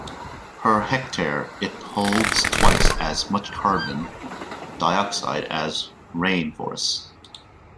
Per hectare, it holds twice as much carbon dioxide as rain forests.